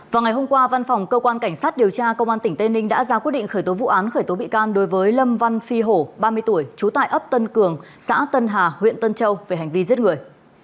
vào ngày hôm qua văn phòng cơ quan cảnh sát điều tra công an tỉnh tây ninh đã ra quyết định khởi tố vụ án khởi tố bị can đối với lâm văn phi hổ ba mươi tuổi trú tại ấp tân cường xã tân hà huyện tân châu về hành vi giết người